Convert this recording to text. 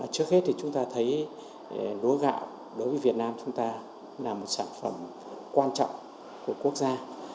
trước hết thì chúng ta thấy lúa gạo đối với việt nam chúng ta là một sản phẩm quan trọng của quốc gia